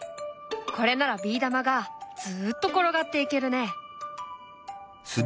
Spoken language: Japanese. これならビー玉がずっと転がっていけるね。